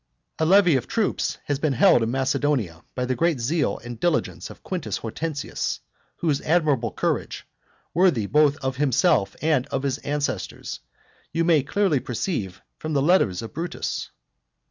A levy of troops has been held in Macedonia, by the great zeal and diligence of Quintus Hortensius; whose admirable courage, worthy both of himself and of his ancestors, you may clearly perceive from the letters of Brutus.